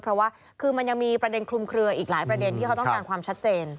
เพราะว่าคือมันยังมีประเด็นคลุมเคลืออีกหลายประเด็นที่เขาต้องการความชัดเจน